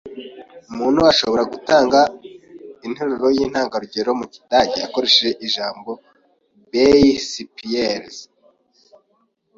Umuntu ashobora gutanga interuro yintangarugero mu kidage akoresheje ijambo "Beispiel?"